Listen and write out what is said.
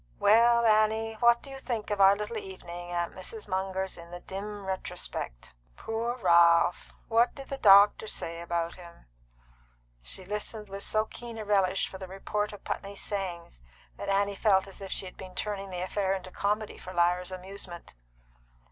"Well, Annie, what do you think of our little evening at Mrs. Munger's in the dim retrospect? Poor Ralph! What did the doctor say about him?" She listened with so keen a relish for the report of Putney's sayings that Annie felt as if she had been turning the affair into comedy for Lyra's amusement.